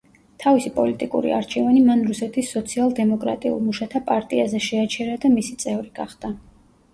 თავისი პოლიტიკური არჩევანი მან რუსეთის სოციალ-დემოკრატიულ მუშათა პარტიაზე შეაჩერა და მისი წევრი გახდა.